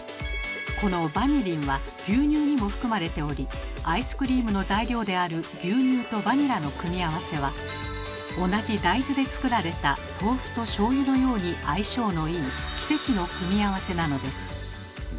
このバニリンは牛乳にも含まれておりアイスクリームの材料である牛乳とバニラの組み合わせは同じ大豆で作られた豆腐としょうゆのように相性のいい奇跡の組み合わせなのです。